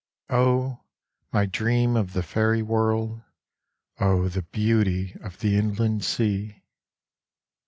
Oh, my dream of the fairy world, oh, the beauty of the Inland Sea